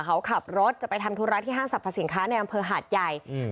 เขาขับรถจะไปทำธุระที่ห้างสรรพสินค้าในอำเภอหาดใหญ่อืม